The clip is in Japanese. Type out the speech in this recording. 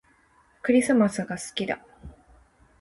クリスマスが好きだ